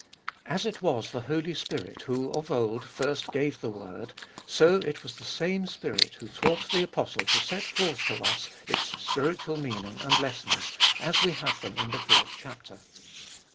As it was the Holy Spirit who of old first gave the word, so it was the same Spirit who taught the apostle to set forth to us its spiritual meaning and lessons, as we have them in the fourth chapter.